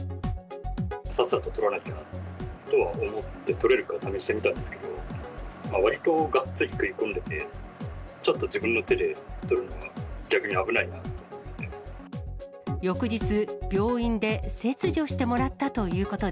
さっさと取らなきゃなとは思って、取れるか試してみたんですけど、わりとがっつり食い込んでて、ちょっと自分の手で取るのは逆に危ないなと。